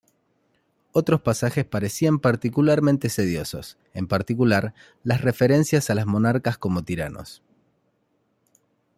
Otros pasajes parecían particularmente sediciosos: en particular, las referencias a las monarcas como "tiranos".